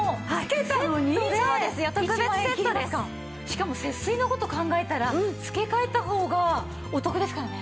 しかも節水の事考えたら付け替えた方がお得ですからね。